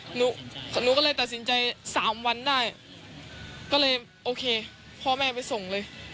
หนูหนูก็เลยตัดสินใจสามวันได้ก็เลยโอเคพ่อแม่ไปส่งเลย